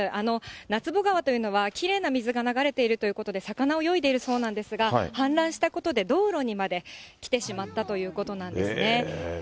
奈坪川というのはきれいな水が流れているということで、魚泳いでいるそうなんですが、氾濫したことで道路にまで来てしまったということなんですね。